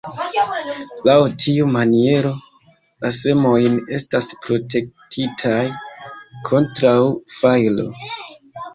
Laŭ tiu maniero, la semojn estas protektitaj kontraŭ fajro.